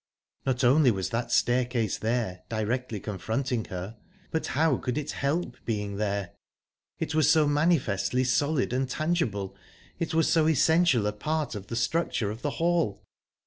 Not only was that staircase there, directly confronting her, but how could it help being there? it was so manifestly solid and tangible, it was so essential a part of the structure of the hall...